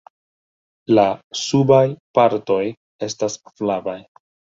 La subaj partoj estas flavaj.